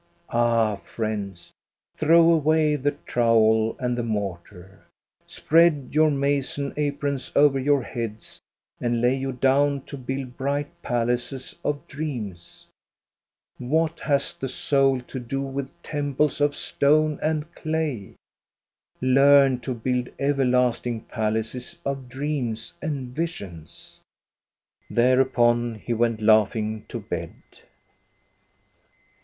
Ah, friends, throw away the trowel and the mortar ! Spread your mason's aprons over your heads and lay you down to build bright palaces of dreams ! What has the soul to do with temples of stone and clay? Learn to build everlasting palaces of dreams and visions !*' Thereupon he went laughing to bed.